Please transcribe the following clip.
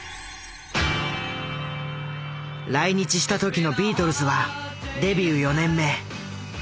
来日した時のビートルズはデビュー４年目。